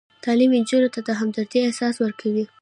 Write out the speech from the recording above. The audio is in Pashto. تعلیم نجونو ته د همدردۍ احساس ورکوي.